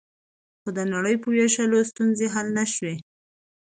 خو د نړۍ په وېشلو ستونزې حل نه شوې